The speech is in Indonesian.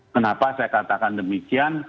kenapa saya katakan demikian